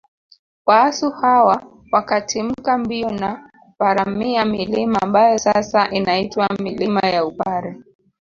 Waasu hawa wakatimka mbio na kuparamia milima ambayo sasa inaitwa milima ya Upare